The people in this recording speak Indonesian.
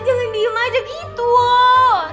jangan diem aja gitu loh